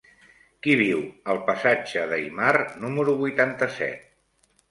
Qui viu al passatge d'Aymar número vuitanta-set?